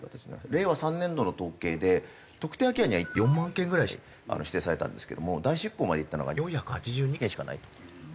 令和３年度の統計で特定空き家には４万軒ぐらい指定されたんですけども代執行までいったのが４８２件しかない。